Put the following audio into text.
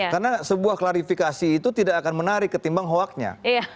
karena sebuah klarifikasi itu tidak akan menarik ketimbang hoaknya